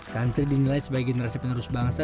santri dinilai sebagai generasi penerus bangsa